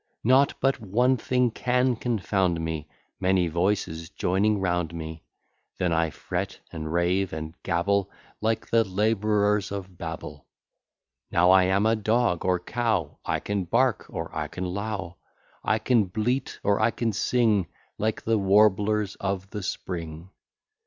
Nought but one thing can confound me, Many voices joining round me; Then I fret, and rave, and gabble, Like the labourers of Babel. Now I am a dog, or cow, I can bark, or I can low; I can bleat, or I can sing, Like the warblers of the spring.